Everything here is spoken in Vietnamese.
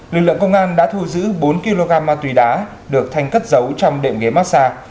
lực lượng công an đã thu giữ bốn kg ma túy đá được thanh cất giấu trong đệm ghế massage